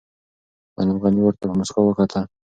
معلم غني ورته په موسکا وکتل.